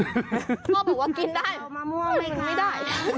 พ่อบอกว่ากินได้กินไม่ได้